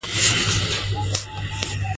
څوک د ملالۍ په اړه وایي؟